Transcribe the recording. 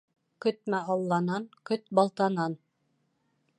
Көтмә Алланан, көт балтанан.